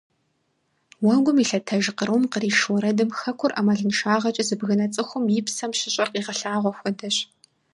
Уэгум илъэтэж кърум къриш уэрэдым хэкур ӀэмалыншагъэкӀэ зыбгынэ цӀыхум и псэм щыщӀэр къигъэлъагъуэ хуэдэщ.